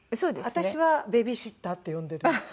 私は「ベビーシッター」って呼んでるんです。